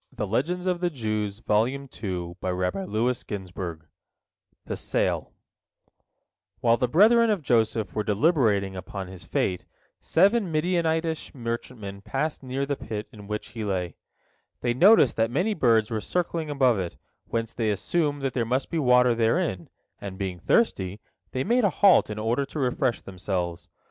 " THE SALE While the brethren of Joseph were deliberating upon his fate, seven Midianitish merchantmen passed near the pit in which he lay. They noticed that many birds were circling above it, whence they assumed that there must be water therein, and, being thirsty, they made a halt in order to refresh themselves.